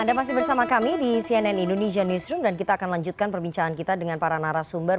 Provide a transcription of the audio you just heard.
anda masih bersama kami di cnn indonesia newsroom dan kita akan lanjutkan perbincangan kita dengan para narasumber